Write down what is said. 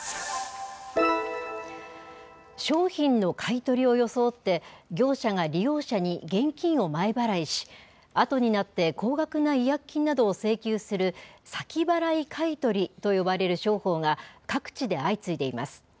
商品の買い取りを装って、業者が利用者に現金を前払いし、あとになって高額な違約金などを請求する、先払い買い取りと呼ばれる商法が各地で相次いでいます。